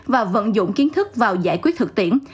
và vận dụng kiến thức vào giải quyết thực tiễn